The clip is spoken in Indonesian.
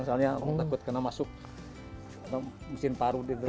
misalnya aku takut kena masuk mesin parut itu